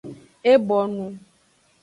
E bonu.